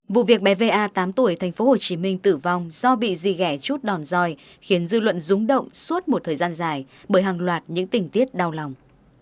vụ việc bé a tám tuổi tp hcm tử vong do bị di gẻ chút đòn roi khiến dư luận rúng động suốt một thời gian dài bởi hàng loạt những tình tiết đau lòng